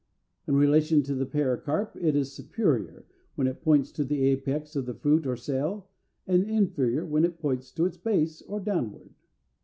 In relation to the pericarp it is Superior, when it points to the apex of the fruit or cell, and Inferior, when it points to its base, or downward.